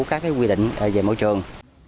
các quy định về môi trường